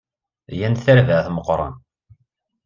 Gan-d tarbaɛt meqqren.